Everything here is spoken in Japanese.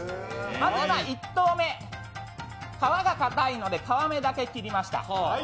まず１刃目、皮がかたいので皮目だけ切りました。